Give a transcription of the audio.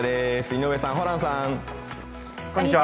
井上さん、ホランさん。